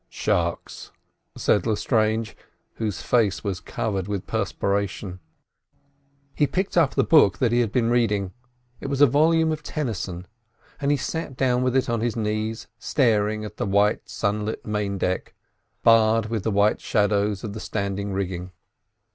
"Sharks," said Lestrange, whose face was covered with perspiration. He picked up the book he had been reading—it was a volume of Tennyson—and he sat with it on his knees staring at the white sunlit main deck barred with the white shadows of the standing rigging.